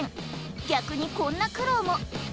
逆にこんな苦労も。